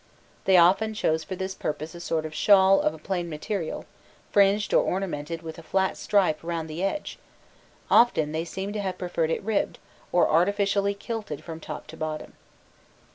They often chose for this purpose a sort of shawl of a plain material, fringed or ornamented with a flat stripe round the edge; often they seem to have preferred it ribbed, or artificially kilted from top to bottom.